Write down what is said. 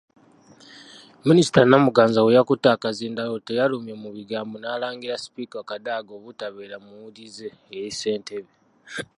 Minisita Namuganza bwe yakutte akazindaalo teyalumye mu bigambo n'alangira Sipiika Kadaga obutabeera muwulize eri Ssentebe.